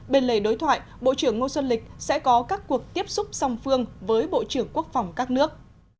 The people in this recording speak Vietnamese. bên lề đối thoại bộ trưởng ngô xuân lịch sẽ có các cuộc tiếp xúc song phương với bộ trưởng quốc phòng các nước